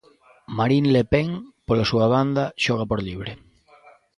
Marine Le Pen, pola súa banda, xoga por libre.